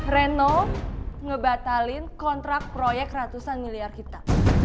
reno ngebatalin kontrak proyek ratusan miliar kita